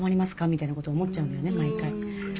みたいなこと思っちゃうんだよね毎回。